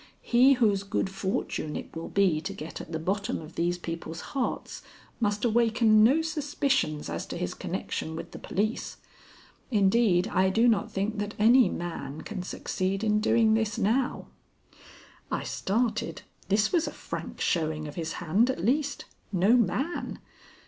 He whose good fortune it will be to get at the bottom of these people's hearts must awaken no suspicions as to his connection with the police. Indeed, I do not think that any man can succeed in doing this now." I started. This was a frank showing of his hand at least. No man!